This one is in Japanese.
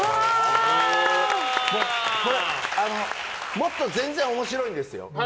もっと、全然面白いんですよ。